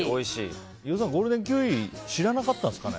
飯尾さん、ゴールデンキウイ知らなかったんですかね。